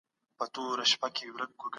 باورونه په اسانۍ نه جوړېږي خو ژر ماتېږي.